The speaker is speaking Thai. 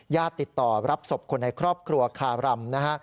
ญาติติดต่อรับศพคนในครอบครัวคาบรำ